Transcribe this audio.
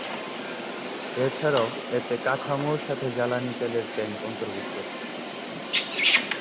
এছাড়াও এতে কাঠামোর সাথে জ্বালানি তেলের ট্যাংক অন্তর্ভুক্ত থাকে।